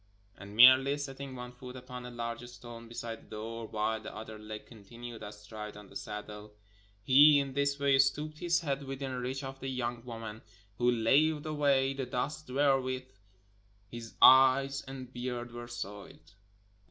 And merely setting one foot upon a large stone beside the door, while the other leg continued astride on the saddle, he in this way stooped his head within reach of the young woman, who laved away the dust wherewith his eyes and beard were soiled.